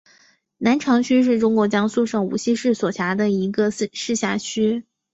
南长区是中国江苏省无锡市所辖的一个市辖区。